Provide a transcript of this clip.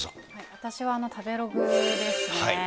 私は食べログですね。